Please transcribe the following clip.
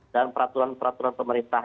dan peraturan peraturan pemerintah